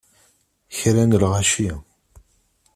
Kra n lɣaci!